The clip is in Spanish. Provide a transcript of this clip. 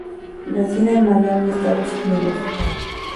Reside en Miami, Estados Unidos.